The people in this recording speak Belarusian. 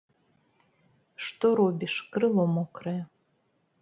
Што робіш, крыло мокрае.